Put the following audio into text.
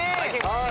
はい。